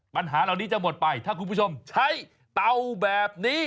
ปัญหาเหล่านี้จะหมดไปถ้าคุณผู้ชมใช้เตาแบบนี้